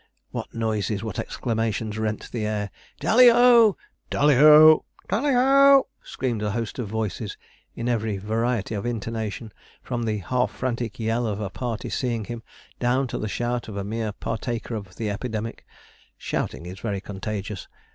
What noises, what exclamations rent the air! 'Talli ho! talliho! talliho!' screamed a host of voices, in every variety of intonation, from the half frantic yell of a party seeing him, down to the shout of a mere partaker of the epidemic. Shouting is very contagious.